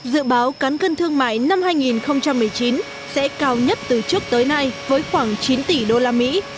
dự báo cán cân thương mại năm hai nghìn một mươi chín sẽ cao nhất từ trước tới nay với khoảng chín tỷ đô la mỹ